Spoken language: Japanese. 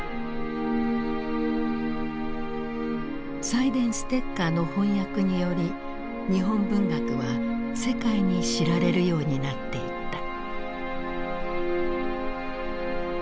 サイデンステッカーの翻訳により日本文学は世界に知られるようになっていった。